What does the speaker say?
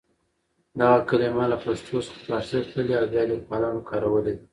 دغه کلمه له پښتو څخه پارسي ته تللې او بیا لیکوالانو کارولې ده.